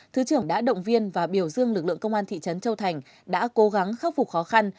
thứ trưởng đã động viên và biểu dương lực lượng công an thị trấn châu thành đã cố gắng khắc phục khó khăn